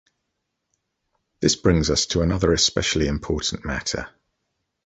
This brings us to another especially important matter.